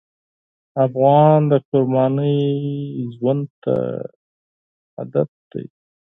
افغان د قربانۍ ژوند ته عادت دی.